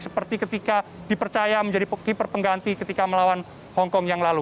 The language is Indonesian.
seperti ketika dipercaya menjadi keeper pengganti ketika melawan hongkong yang lalu